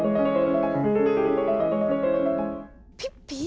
ピッピ？